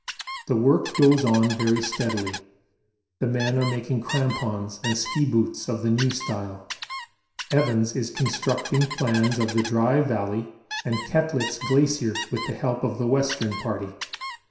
The work goes on very steadily the men are making crampons and ski boots of the new style. Evans is constructing plans of the Dry Valley and Koettlitz Glacier with the help of the Western Party.